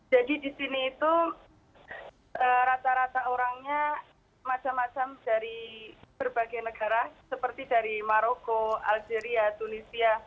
jadi di sini itu rata rata orangnya macam macam dari berbagai negara seperti dari maroko algeria tunisia